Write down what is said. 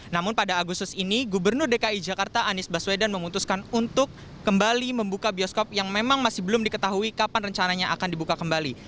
namun pada agustus ini gubernur dki jakarta anies baswedan memutuskan untuk kembali membuka bioskop yang memang masih belum diketahui kapan rencananya akan dibuka kembali